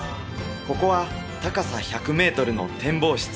ここは高さ１００メートルの展望室